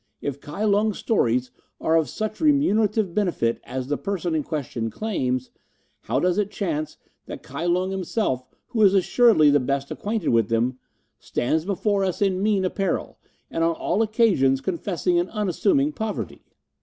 If Kai Lung's stories are of such remunerative benefit as the person in question claims, how does it chance that Kai Lung himself who is assuredly the best acquainted with them, stands before us in mean apparel, and on all occasions confessing an unassuming poverty?"